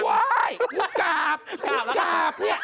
ว้ายว้ายมึงกราบมึงกราบเนี่ย